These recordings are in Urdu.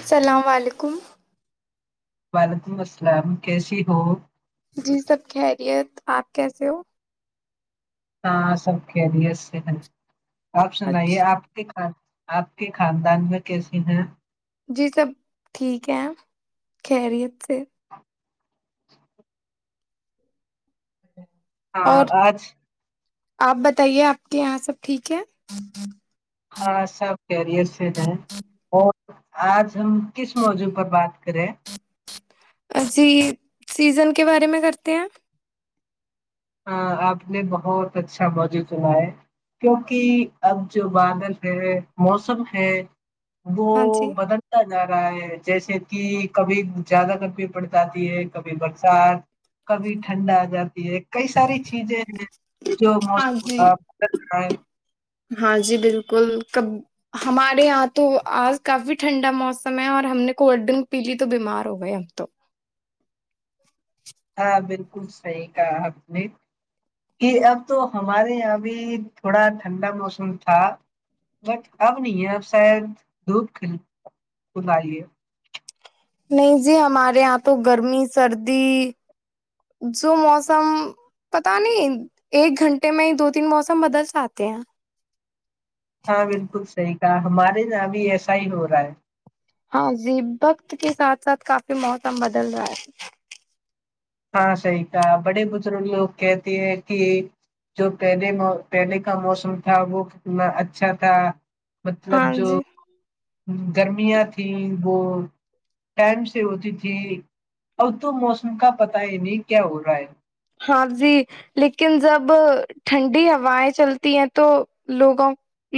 السلام علیکم وعلیکم السلام کیسی ہو جی سب خیریت آپ کیسے ہو ہاں سب کےری سے ہیں آپ سنائیے اچھا آپ کے آپ کے خاندان میں کیسے ہیں جی سب ٹھیک ہے خیریت سے ہاں اور آج آپ بتائیے آپ کے یہاں سب ٹھیک ہے ہاں سب کیریر سے ہے اور آج ہم کس موضوع پر بات کریں؟ جی سیزن کے بارے میں کرتے ہیں ہاں آپ نے بہت اچھا موجوع سنا ہے کیونکہ اب جو بادل ہے موسم ہے ہاں ا جی بدنتا [unintelligible] رہا ہے جیسے کہ کبھی زیادہ گرپی پڑ جاتی ہے کبھی برسات کبھی ٹھنڈا آ جاتی ہے کئی ساری چیزیں ہیں جو ہاں موسم جی رہ ہے ہاں جی بالکل کب ہمارے یہاں تو آج کافی ٹھنڈا موسم ہے اور ہم نے کولڈ ڈرنک پی لی تو بیمار ہو گئے ہم تو ہاں بالکل صحیح کہا آپ نے کہ اب تو ہمارے یہاں بھی تھوڑا ٹھنڈا موسم تھا بٹ اب نہیں ہے اب شاید دھپ کل کلائیے نہیں جی ہمارے یہاں تو گرمی سردی جو موسم پتا نہیں ایک گھنٹے میں ہی دو تین موسم بدل ساتے ہیں ہاں بالکل صحیح کہا ہمارے یہاں ابھی ایسا ہی ہو رہا ہے ہاں جی وقت کے ساتھ ساتھ کافی موسم بدل رہا ہے ہاں، صحیح کا بڑے بزرگ لوگ کہتے ہیں کہ جو پہلے پہلے کا موسم تھا وہنا اچھا تھا مطلب ہاں جو جی گرمیاں تھیں وہ ٹائم سے ہوتی تھی ا تو موسم کا پتا ہی نہیں کیا ہو رہا ہے ہاں جی لیکن جب ٹھنڈی ہوائیں چلتی ہیں تو لوگوں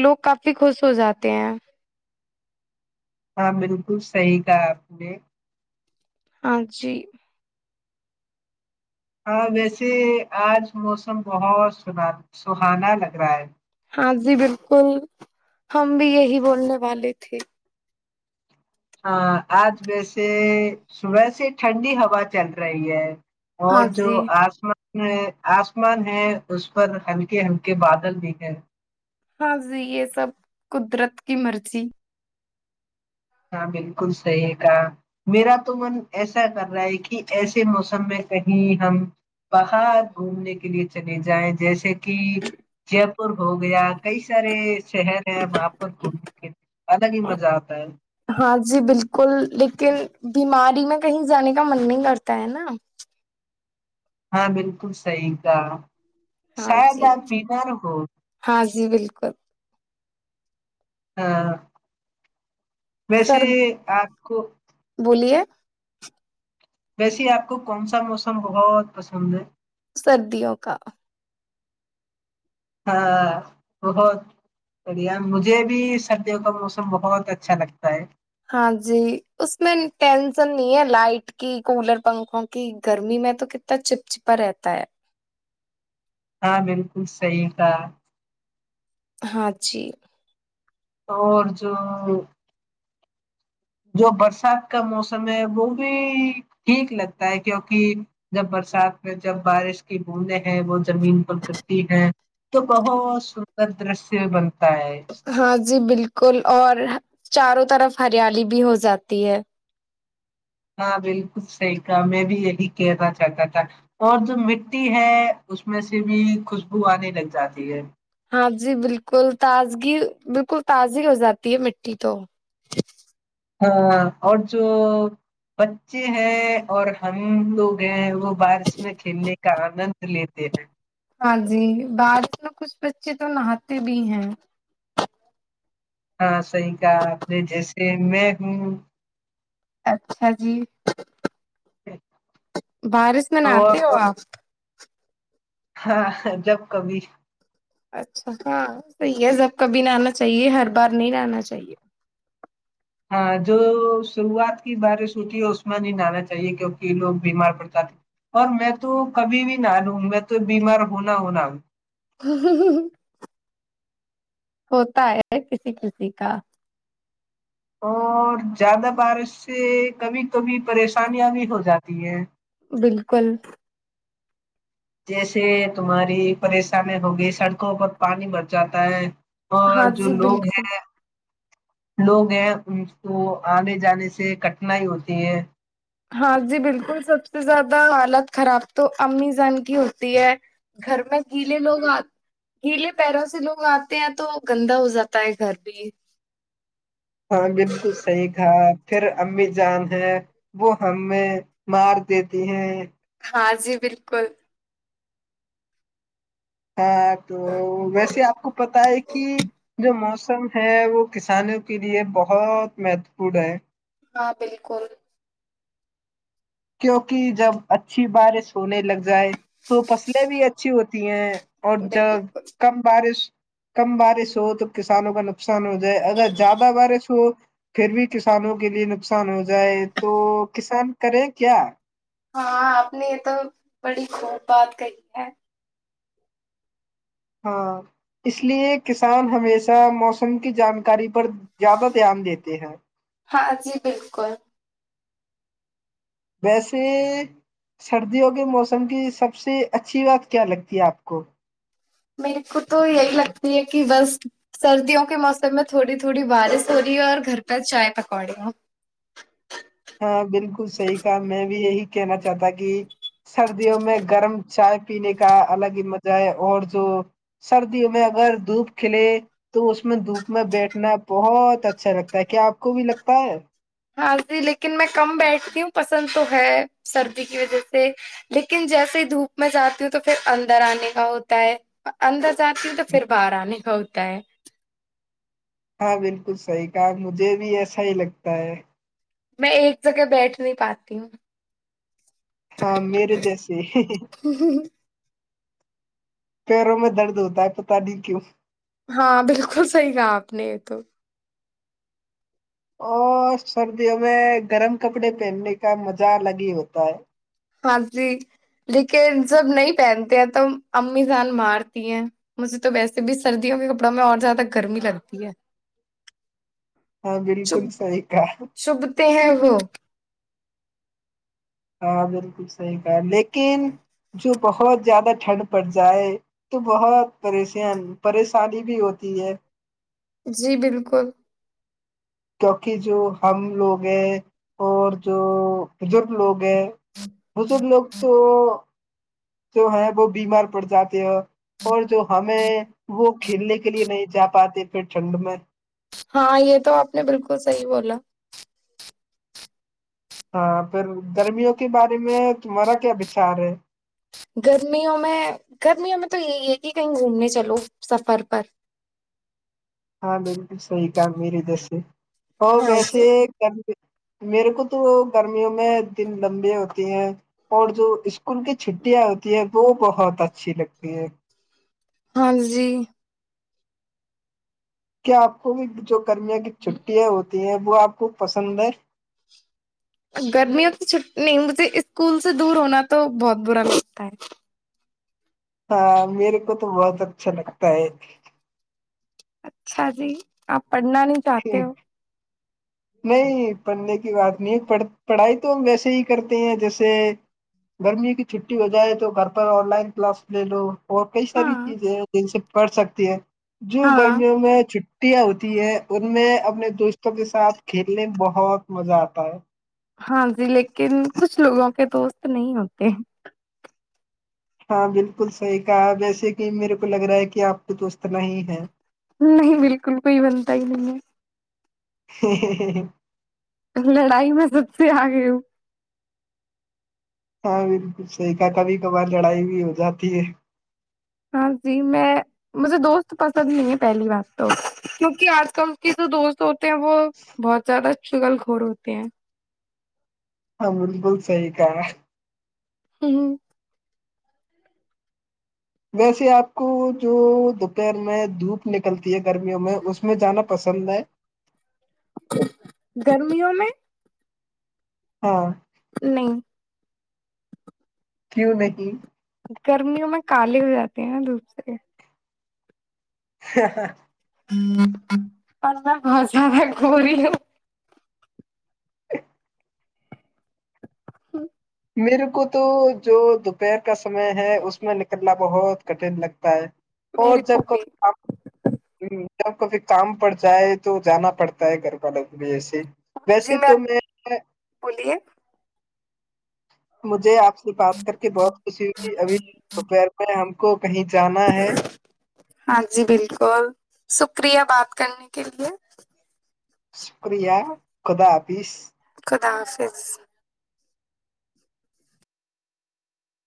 لوگ کافی خوش ہو جاتے ہیں ہاں بالکل صحیح کہا آپ نے ہاں جی ہاں ویسے آج موسم بہت س سہانا لگ رہا ہے ہاں جی بالکل ہم بھی یہی بولنے والے تھے ہاں آج ویسے صبح سے ٹھنڈی ہوا چل رہی ہے اور ہاں جو جی آسمان آسمان ہے اس پر ہلکے ہلکے بادل بھی ہے ہاں جی یہ سب قدرت کی مرضی ہاں بالکل صحیح کا میرا تو من ایسا کر رہا ہے کہ ایسے موسم میں کہیں ہم باہر گھومنے کے لیے چلے جائیں جیسے کہ جے پور ہو گیا کئی سارے شہر ہیں وہاں پر گھومنے کے لیے الگ ہی مزہ آتا ہے ہاں جی بالکل لیکن بیماری میں کہیں جانے کا من نہیں کرتا ہے نا ہاں بالکل صحیح کا ہاں شاد جی آ بینار ہو ہاں جی بالکل ہاں سر بسیے ایک بولیے ویسے آپ کو کون سا موسم بہت پسند ہے سردیوں کا ہاں بہت بڑھیا مجھے بھی سردیوں کا موسم بہت اچھا لگتا ہے ہاں جی اس میں ٹینسن نہیں ہے لائٹ کی کولر پنکھوں کی گرمی میں تو کتنا چپچپا رہتا ہے ہاں بالکل صحیح تھا ہاں جی اور جو جو برسات کا موسم ہے وہ بھی ٹھیک لگتا ہے کیونکہ جب برسات میں جب بارش کی بوندیں ہیں وہ زمین پر گرتی ہیں تو بہت سندر درشیہ بنتا ہے ہاں جی بالکل بالکل اور چاروں طرف ہریالی بھی ہو جاتی ہے ہاں بالکل صحیح کہ میں بھی یہی کہنا چاہتا تھا اور جو مٹی ہے اس میں سے بھی خوشبو آنے لگ جاتی ہے ہاں جی بالکل تازگی بالکل تازی ہو جاتی ہے مٹی تو ہاں اور جو بچے ہیں اور ہم لوگ ہیں وہ بارش میں کھیلنے کا آنند لیتے ہیں ہاں جی بد میں کچھ بچے تو نہاتے بھی ہیں ہاں صحیح کہا آپ نے جیسے میں ہوں اچھا جی بارش میں اور نہتے ہو آپ ہاں جب کبھی اچھا ہاں صحیح سب کبھی آنا چاہیے ہر بار نہیں آنا چاہیے ہاں جو شروعات کی بارے سوتی ہے اس میں نہیں نہ آنا چاہیے کیوںکہ لوگ بیمار پڑتا تھے اور میں تو کبھی بھی نہ لوں میں تو بیمار ہونا ہونا بھی ہ ہوتا ہے کسی کسی کا اور زیادہ بارش سے کبھی کبھی پریشانیاں بھی ہو جاتی ہیں بالکل جیسے تمہاری پریشانی ہوگی سڑکوں پر پانی مر جاتا ہے اور ہاں جو جی لوگ بالکل ہیں لوگ ہیں ان کو آنے جانے سے کٹھنائی ہوتیہ ہے ہاں جی بالکل سب سے زیادہ حالت خراب تو امی زان کی ہوتی ہے گھر میں گیلے لوگ آ گیلے پیروں سے لوگ آتے ہیں تو گندا ہو جاتا ہے گھر بھی ہاں بالکل صحیح تھا پھر امی جان ہے وہ ہمیں مار دیتی ہیں ہاں جی بالکل ہاں تو ویسے آپ کو پتا ہے کہ جو مو موسم ہے وہ کسانوں کے لیے بہت مہتو پورن ہے ہاں بالکل کیونکہ جب اچھی بارش ہونے لگ جائے تو فصلیں بھی اچھی ہوتی ہیں اور ج بالکل کم بارش کم بارش ہو تو کسانوں کا نقصان جائے اگر زیادہ بار س پھر بھی کسانوں کے لیے نقصان ہو جائے تو کسان کریں کیا [unintelligible] ہاں آپ نے یہ تو بڑی خوب بات کہی ہے ہاں اس لیے کسان ہمیشہ موسم کی جانکاری پر زیادہ دھیان دیتے ہیں ہاں جی بالکل ویسے سردیوں کے موسم کی سب سے اچھی بات کیا لگتی ہے آپ کو میرے کو تو یہی لگتی ہے کہ بس سردیوں کے موسم میں تھوڑی تھوڑی بارش ہو رہی ہے اور گھر پہ چائے پکوڑی ہو ہاں بالکل صحیح کہ میں بھی یہی کہنا چاہتا کہ سردیوں میں گرم چائے پینے کا الگ ہی مزہ ہے اور جو سردیوں میں اگر دھوپ کھلے تو اس میں دھوپ میں بیٹھنا بہت اچھا لگتا ہے کیا آپ کو بھی لگتا ہے ہاں جی لیکن میں کم بیٹھتی ہوں پسند تو ہے سردی کی وجہ سے لیکن جیسے ہی دھوپ میں جاتی ہوں تو پھر اندر آنے کا ہوتا ہے اندر سات نہیں تو پھر باہر آ نہیں ہو [unintelligible] ہاں بالکل صحیح کہ مجھے بھی ایسا ہی لگتا ہے میں ایک جگہ بیٹھ نہیں پاتی ہوں ہاں میر جیسی پیروں میں درد ہوتا ہے پتا نہیں کیوں ہاں بالکل صحیح کہا آپ نے تو اور سردیوں میں گرم کپڑے پہننے کا مزہ الگ ہی ہوتا ہے ہاں جی لیکن جب نہیں پہنتے ہیں تو امی جان مارتی ہیں مجھے تو ویسے بھی سردیوں کے کپڑوں میں اور زیادہ گرمی لگتی ہے ہاں بالکل چب صحی کہ چبھتے ہیں وہ [inaudible] ہاں بالکل صحیح کہا لیکن جو بہت زیادہ ٹھنڈ پڑ جائے تو بہت پریش پریشانی بھی ہوتی ہے جی بالکل کیوںکہ جو ہم لوگ ہیں اور جو بزرگ لوگ ہیں بزرگ لوگ تو جو ہے وہ بیمار پڑ جاتے ہیں اور جو ہمیں وہ کھیلنے کے لیے نہیں جا پاتے پھر ٹھنڈ میں ہاں یہ تو آپ نے بالکل صحی بولا ہاں پھر گرمیوں کے بارے میں تمہارا کیا بچار ہے گرمیوں میں گرمیوں میں تو یہی ہے کہ کہیں گھومنے چلو سفر پر ہاں بالکل صحیح کام میری تور سے اور ہاں جی ویسے [unintelligible] میرے کو تو گرمیوں میں دن لمبی ہوتی ہیں اور جو ان کی چھٹیاں ہوتی ہیں وہ بہت اچھی لگتی ہے ہاں جی [unintelligible] کیا آپ کو بھی جو کررمیاوں کی چھٹییاں ہوتی ہیں وہ آپ کو پسندندر گرمیوں تو چ نہیں مجھے اسکول سے دور ہونا تو بہت برا لگتا ہے ہاں میرے کو تو بہت اچھا لگتا ہے اچھا جی آپ پڑھنا نہیں چاہتے ہو نہیں پنے بات نہیں ہے پڑھائی تو ہم ویسے ہی کرتے ہیں جیسے گرمی کی چھٹی ہو جائے تو گھر پر آن لائن کلاس لے لو اور کئی ساری ہاں چیزیں جن سے پڑھ سکتی ہے جوی ہاں گرمیوں میں چ پٹیاں ہوتی ہے ان میں اپنے دوستوں کے ساتھ کھیلنے میں بہت مزہ آتا ہے ہاں جی لیکن کچھ لوگوں کے دوست نہیں ہوتے ہیں ہاں بالکل صحیح کہا ویسے کہ میرے کو لگ رہا ہے کہ آپ کو دو اتنا ہی ہے نہیں بالکل کوئی بنتا ہی نہیں ہے [unintelligible] لڑائی میں سب سے آگئی ہوں ہاں بالکل صحیح کہ کبھی کبھار لڑائی بھی ہو جاتی ہے ہاں جی میں مجھے دوست پسند نہیں ہے پہلی بار تو کیونکہ آج کل کے جو دوست ہوتے ہیں وہ بہت زیادہ چگل گور ہوتے ہیں ہاں بالکل صحی کہ ہے [unintelligible] ویسے آپ کو جو دوپہر میں دھوپ نکلتی ہے گرمیوں میں اس میں جانا پسند ہے گرمیوں میں [unintelligible] نہیں کیوں نہیں گرمیوں میں کالے ہو جاتے ہیں نا دھوپ سے [unintelligible] [unintelligible] [inaudible] [unintelligible] میرے کو تو جو دوپہر کا سمے ہے اس میں نکلنا بہت کٹن لگتا ہے اور میرے جب کو بھی ہ جب کبھی کام پڑ جائے تو جانا پڑتا ہے گھر والوں بھیسے ویسے تو میں بولیے مجھے آپ سے بات کر کے بہت خوشی ہوئی ابھی دوپہر میں ہم کو کہیں جانا ہے ہاں جی بالکل شکریہ بات کرنے کے لیے شکریہ خدا حافظ خدا حافظ